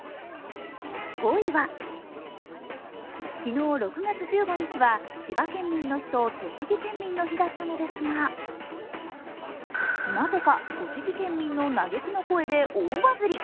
５位は、昨日６月１５日は千葉県民の日と栃木県民の日だったのですが、なぜか栃木県民の嘆きの声で大バズり。